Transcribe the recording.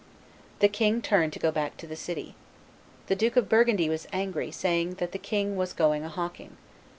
The king turned to go back to the city. The Duke of Burgundy was angry, saying that the king was going a hawking.